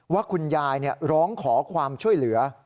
ว่าคุณยายร้องขอความช่วยเหลือ